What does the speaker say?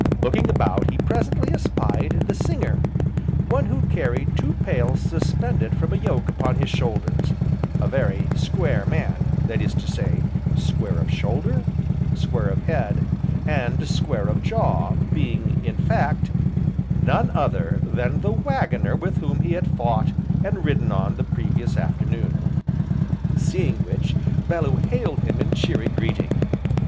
Looking about he presently espied the singer, one who carried two pails suspended from a yoke upon his shoulders, a very square man; that is to say, square of shoulder, square of head, and square of jaw, being, in fact, none other than the Waggoner with whom he had fought, and ridden on the previous afternoon; seeing which, Bellew hailed him in cheery greeting.